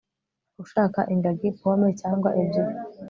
Ushaka ingagi pome cyangwa ebyiri